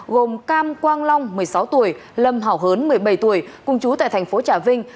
gồm cam quang long một mươi sáu tuổi lâm hảo hớn một mươi bảy tuổi cùng chú tại thành phố trà vinh